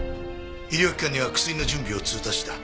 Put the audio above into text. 医療機関には薬の準備を通達した。